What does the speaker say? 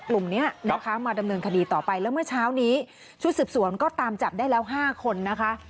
กลุ่มนี้นะคะมาดำเนินคดีต่อไปแล้วเมื่อเช้านี้ชุดสืบสวนก็ตามจับได้แล้ว๕คนนะคะ